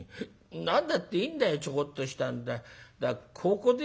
何だっていいんだよちょこっとした香香でいいか。